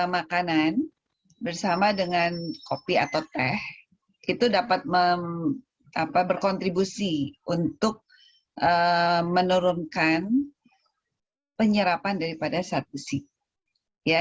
makanan bersama dengan kopi atau teh dapat berkontribusi untuk menurunkan penyerapan daripada zat besi